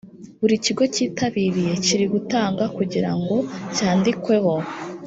buri kigo cyitabiriye kiri gutanga kugira ngo cyandikweho